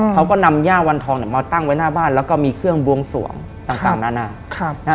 เขาก็นำย่าวันทองเนี่ยมาตั้งไว้หน้าบ้านแล้วก็มีเครื่องบวงสวงต่างหน้า